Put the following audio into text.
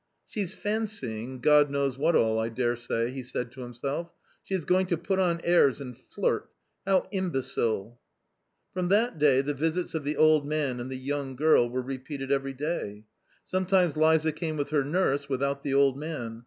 " She's fancying, God knows what all, I daresay !" he said to himself ;" she is going to put on airs and flirt .... how imbecile !" From that day the visits of the old man and the young girl were repeated every day. Sometimes Liza came with her nurse, without the old man.